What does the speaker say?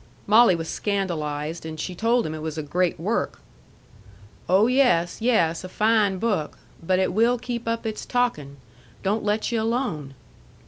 Molly was scandalized, and she told him it was a great work. "Oh, yes, yes. A fine book. But it will keep up its talkin'. Don't let you alone."